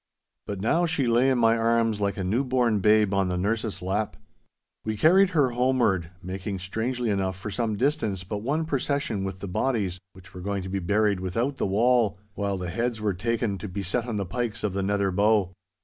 But now she lay in my arms like a new born babe on the nurse's lap. We carried her homeward, making strangely enough for some distance but one procession with the bodies which were going to be buried without the wall, while the heads were taken to be set on the pikes of the Nether Bow.